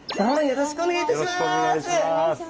よろしくお願いします。